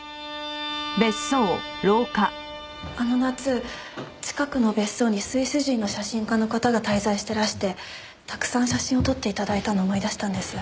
あの夏近くの別荘にスイス人の写真家の方が滞在してらしてたくさん写真を撮って頂いたのを思い出したんです。